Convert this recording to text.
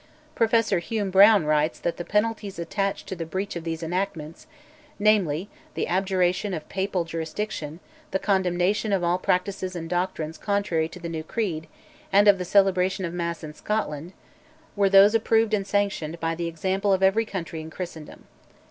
(Prof. Hume Brown writes that "the penalties attached to the breach of these enactments" (namely, the abjuration of Papal jurisdiction, the condemnation of all practices and doctrines contrary to the new creed, and of the celebration of Mass in Scotland) "were those approved and sanctioned by the example of every country in Christendom."